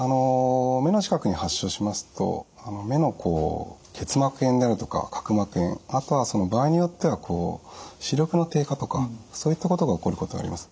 目の近くに発症しますと目の結膜炎になるとか角膜炎あとは場合によっては視力の低下とかそういったことが起こることがあります。